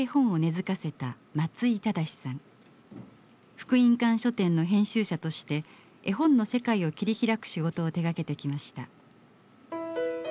福音館書店の編集者として絵本の世界を切り開く仕事を手がけてきました。